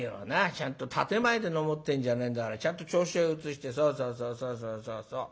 ちゃんと点前で飲もうってんじゃねえんだからちゃんと銚子を移してそうそうそうそうそうそうそう。